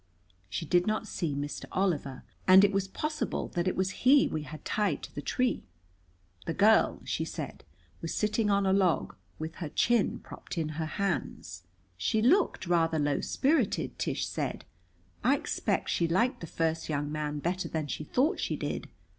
She did not see Mr. Oliver, and it was possible that it was he we had tied to the tree. The girl, she said, was sitting on a log, with her chin propped in her hands. "She looked rather low spirited," Tish said. "I expect she liked the first young man better than she thought she did.